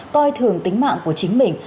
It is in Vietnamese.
coi thường tính mạng của chính mình